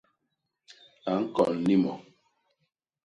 A ñkon limo.